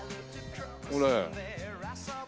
これ。